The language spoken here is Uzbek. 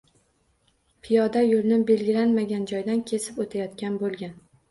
Piyoda yo‘lni belgilanmagan joydan kesib o‘tayotgan bo‘lgan